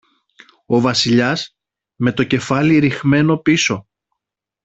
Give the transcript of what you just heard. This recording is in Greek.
Ο Βασιλιάς, με το κεφάλι ριχμένο πίσω